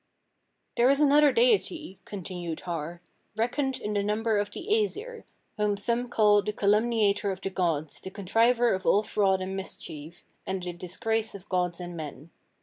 34. "There is another deity," continued Har, "reckoned in the number of the Æsir, whom some call the calumniator of the gods, the contriver of all fraud and mischief, and the disgrace of gods and men.